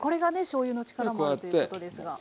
しょうゆの力もあるということですが。